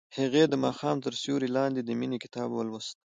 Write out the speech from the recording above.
هغې د ماښام تر سیوري لاندې د مینې کتاب ولوست.